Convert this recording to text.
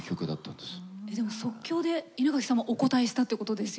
でも即興で稲垣さんもお応えしたってことですよね